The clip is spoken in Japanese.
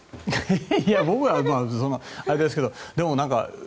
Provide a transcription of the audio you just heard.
いや、僕はあれですけど。